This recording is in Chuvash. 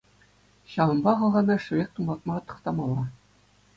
Ҫавӑнпа хӑлхана шӗвек тумлатма тӑхтамалла.